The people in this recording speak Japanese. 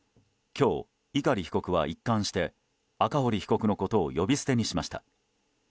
今日、碇被告は一貫して赤堀被告のことを呼び捨てにしました。